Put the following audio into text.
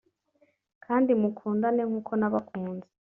kandi mukundane nk’uko nabakunze